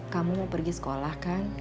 kamu mau pergi sekolah kan